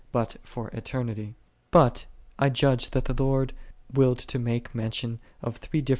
but for eternity. But I judge that the Lord willed to make mention of three differences 7 Scr.